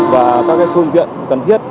và các phương tiện cần thiết